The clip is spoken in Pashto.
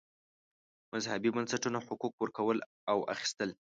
مذهبي بنسټونو حقوق ورکول او اخیستل.